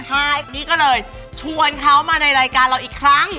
ใช่นี่ก็เลยชวนเขามาในรายการเราอีกครั้ง